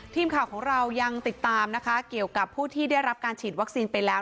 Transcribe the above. ทีมข่าวของเรายังติดตามนะคะเกี่ยวกับผู้ที่ได้รับการฉีดวัคซีนไปแล้ว